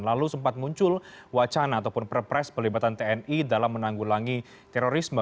lalu sempat muncul wacana ataupun perpres pelibatan tni dalam menanggulangi terorisme